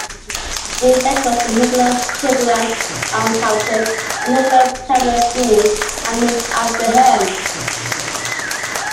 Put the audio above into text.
In Bedworth the Nicholas Chamberlaine's Almshouses and "Nicholas Chamberlaine School" are named after him.